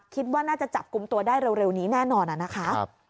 คิดว่าน่าจะจับกลุ่มตัวได้เร็วนี้แน่นอนนะคะ